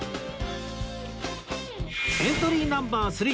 エントリーナンバー３